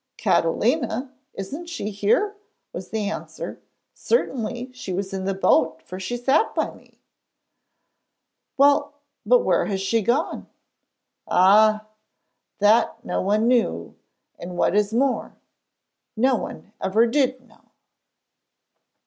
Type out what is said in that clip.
'Catalina? Isn't she here?' was the answer. 'Certainly she was in the boat, for she sat by me!' 'Well, but where has she gone?' Ah! that no one knew and what is more, no one ever did know!